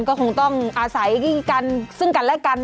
ก็คงต้องอาศัยกันซึ่งกันและกัน